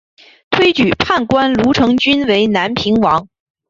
推举判官卢成均为南平王。